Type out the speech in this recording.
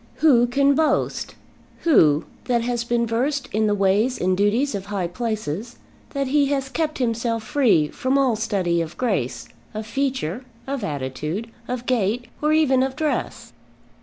Who can boast, who that has been versed in the ways and duties of high places, that he has kept himself free from all study of grace, of feature, of attitude, of gait or even of dress?